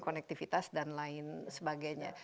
konektivitas dan lain sebagainya